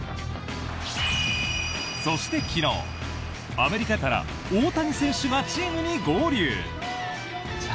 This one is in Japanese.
そして昨日、アメリカから大谷選手がチームに合流。